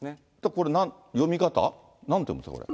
これ、読み方？なんて読むんですか？